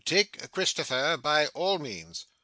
'Take Christopher by all means.